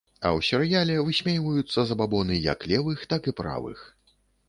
А ў серыяле высмейваюцца забабоны як левых, так і правых.